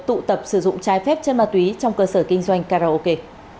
tụ tập sử dụng trái phép chân ma túy trong cơ sở kinh doanh karaoke